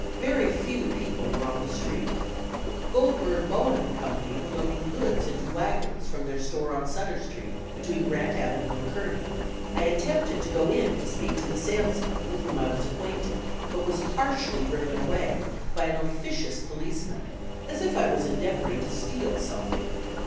Very few people were on the street. Goldberg, Bowen & Co. were loading goods into wagons from their store on Sutter Street, between Grant Avenue and Kearny. I attempted to go in to speak to the salesman, with whom I was acquainted, but was harshly driven away, by an officious policeman, as if I was endeavoring to steal something.